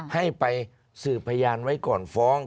ให้ไปสืบพยานไว้ก่อนฟ้อง